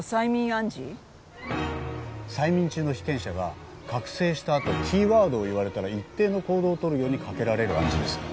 催眠中の被験者が覚醒したあとキーワードを言われたら一定の行動を取るようにかけられる暗示ですよ。